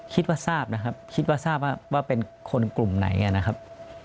ทราบนะครับคิดว่าทราบว่าเป็นคนกลุ่มไหนนะครับ